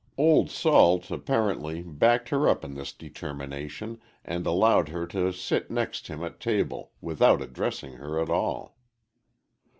Old Salt, apparently, backed her up in this determination, and allowed her to sit next him at table, without addressing her at all.